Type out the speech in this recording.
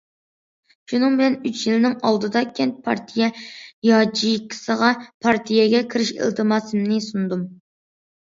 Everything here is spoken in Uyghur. شۇنىڭ بىلەن ئۈچ يىلنىڭ ئالدىدا كەنت پارتىيە ياچېيكىسىغا پارتىيەگە كىرىش ئىلتىماسىمنى سۇندۇم.